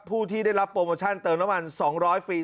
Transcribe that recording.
ผู้ที่ได้รับโปรโมชั่นเติมน้ำมัน๒๐๐ฟรี